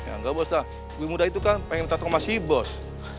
enggak bos ibu muda itu kan pengen tatung sama si bos